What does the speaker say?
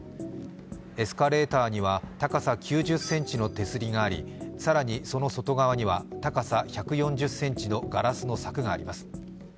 エスカレーターには高さ９０ｃｍの手すりがあり更に、その外側には高さ１４０ｃｍのガラスの柵があります。